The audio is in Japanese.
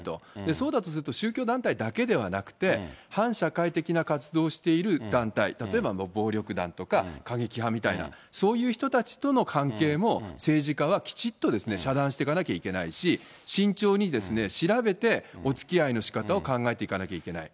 そうだとすると、宗教団体だけではなくて、反社会的な活動をしている団体、例えば暴力団とか、過激派みたいな、そういう人たちとの関係も、政治家はきちっとですね、遮断していかなきゃいけないし、慎重に調べておつきあいのしかたを考えていかなきゃいけない。